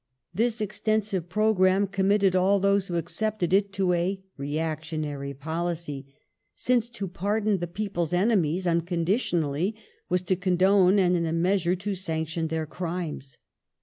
This extensive programme committed all those who accepted it to a reactionary policy, since to pardon the people's enemies unconditionally was to condone, and in a measure to sanction their crimes.